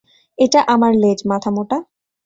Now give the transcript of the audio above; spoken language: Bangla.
এটা আমার লেজ, মাথামোটা!